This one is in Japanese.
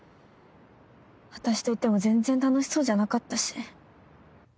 私といても全然楽しそうじゃなかったし。